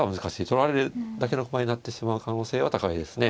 取られるだけの駒になってしまう可能性は高いですね。